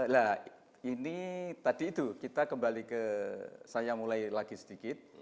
nah ini tadi itu kita kembali ke saya mulai lagi sedikit